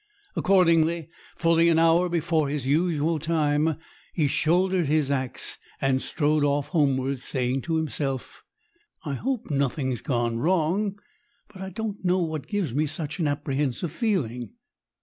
Accordingly, fully an hour before his usual time, he shouldered his axe and strode off homeward, saying to himself,— "I hope nothing's gone wrong; but I don't know what gives me such an apprehensive feeling."